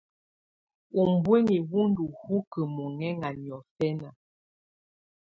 Ubuinyii wù ndù hukǝ́ muhɛŋa niɔ̀fɛna.